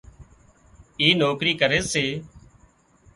اي نوڪري ڪري سي